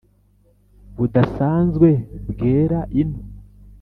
Budasanzwe bwera ino